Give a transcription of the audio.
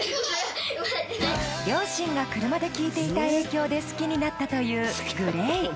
両親が車で聞いていた影響で好きになったというＧＬＡＹ